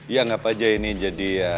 ya ngapain aja ini jadi